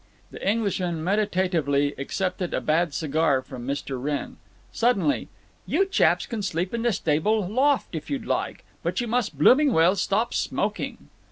The Englishman meditatively accepted a bad cigar from Mr. Wrenn. Suddenly: "You chaps can sleep in the stable loft if you'd like. But you must blooming well stop smoking."